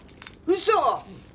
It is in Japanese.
嘘！？